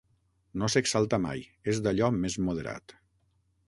No s'exalta mai: és d'allò més moderat.